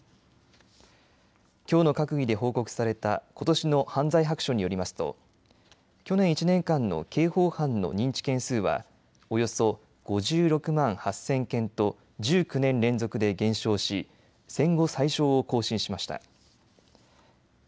きょうの閣議で報告されたことしの犯罪白書によりますと去年１年間の刑法犯の認知件数はおよそ５６万８０００件と１９年連続で減少し戦後最少を更新しました。